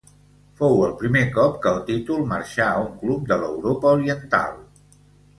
Fou el primer cop que el títol marxà a un club de l'Europa Oriental.